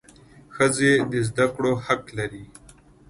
ښځي د زده کړو حق لري.